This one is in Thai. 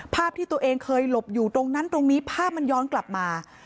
ภาพที่ตัวเองเคยหลบอยู่ตรงนั้นตรงนี้ภาพมันย้อนกลับมา